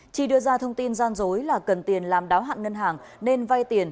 chi đưa ra thông tin gian dối là cần tiền làm đáo hạn ngân hàng nên vay tiền